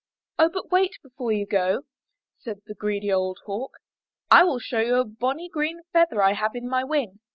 "Oh, but wait before you go," said the greedy old Hawk, "and I will show you a bonny green feather I have in my wing."